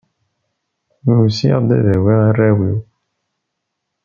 Usiɣ-d ad awiɣ arraw-iw.